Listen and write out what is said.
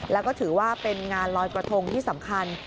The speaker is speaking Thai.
แล้วก็ถือว่าเป็นงานลอยกระทงที่สำคัญ